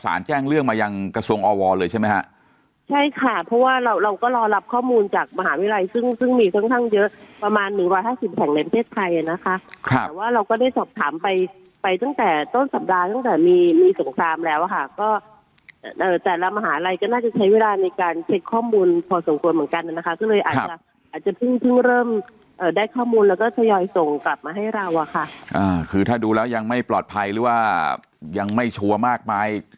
สารแจ้งเรื่องมายังกระทรวงอวเลยใช่ไหมฮะใช่ค่ะเพราะว่าเราเราก็รอรับข้อมูลจากมหาวิทยาลัยซึ่งซึ่งมีค่อนข้างเยอะประมาณหนึ่งวันห้าสิบแสงในเทศไทยนะคะครับแต่ว่าเราก็ได้สอบถามไปไปตั้งแต่ต้นสัปดาห์ตั้งแต่มีมีสงครามแล้วค่ะก็เอ่อแต่ละมหาวิทยาลัยก็น่าจะใช้เวลาในการเช็คข้อมูล